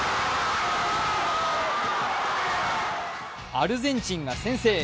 アルゼンチンが先制。